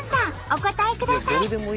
お答えください。